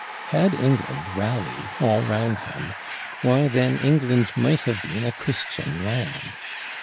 Had England rallied all round him, why, then, England might have been a Christian land!